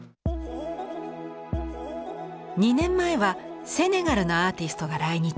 ２年前はセネガルのアーティストが来日。